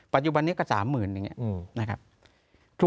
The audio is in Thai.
ปัจจุบันนี้ก็๓๐๐๐อย่างนี้นะครับ